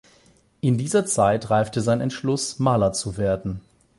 In dieser Zeit reifte sein Entschluss, Maler zu werden.